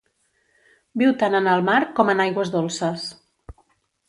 Viu tant en el mar com en aigües dolces.